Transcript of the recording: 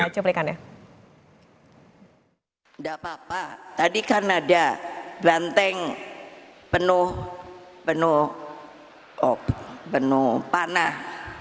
cuplikannya ndak papa tadi karena ada banteng penuh penuh op penuh panah